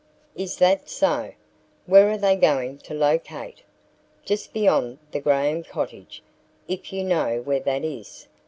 "Is that so? Where are they going to locate?" "Just beyond the Graham cottage, if you know where that is."